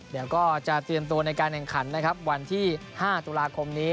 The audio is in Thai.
เดี๋ยวก็จะเตรียมตัวในการแข่งขันนะครับวันที่๕ตุลาคมนี้